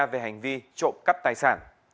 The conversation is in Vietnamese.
về hành vi trộm cắp tài sản